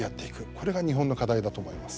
これが日本の課題だと思います。